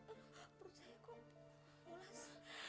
aduh perut saya kok mulas